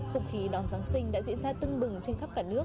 không khí đón giáng sinh đã diễn ra tưng bừng trên khắp cả nước